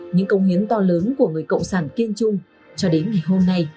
những công hiến to lớn của người cộng sản kiên trung cho đến ngày hôm nay